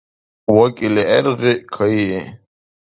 ВакӀили гӀергъи, кайи.